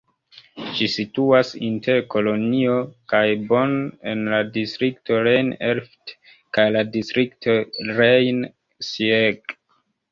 Ĝi situas inter Kolonjo kaj Bonn en la distrikto Rhein-Erft kaj la distrikto Rhein-Sieg.